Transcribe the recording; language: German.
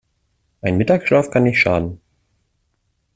Ein Mittagschlaf kann nicht schaden.